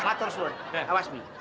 matur sur awas mi